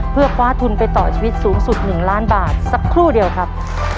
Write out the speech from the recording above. เพื่อคว้าทุนไปต่อชีวิตสูงสุด๑ล้านบาทสักครู่เดียวครับ